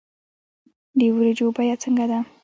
د ورجو بیه څنګه ده